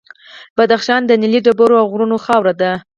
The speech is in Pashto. بدخشان د نیلي ډبرو او غرونو خاوره ده.